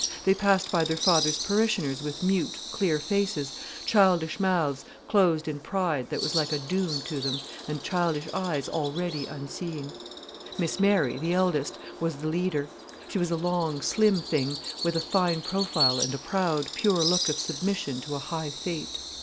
They passed by their father's parishioners with mute, clear faces, childish mouths closed in pride that was like a doom to them, and childish eyes already unseeing. Miss Mary, the eldest, was the leader. She was a long, slim thing with a fine profile and a proud, pure look of submission to a high fate.